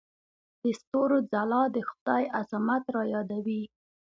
د ستورو ځلا د خدای عظمت رايادوي.